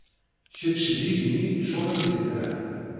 Kečč d igenni yeččuṛen d itran.